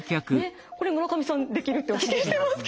これ村上さんできるっておっしゃってますけど。